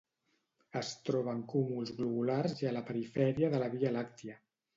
Es troben cúmuls globulars i a la perifèria de la Via Làctia.